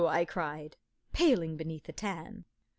J I cried, paling beneath the tan.